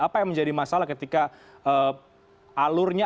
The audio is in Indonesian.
apa yang menjadi masalah ketika alurnya